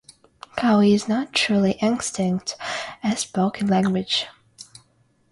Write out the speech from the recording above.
Kawi is not truly extinct as a spoken language.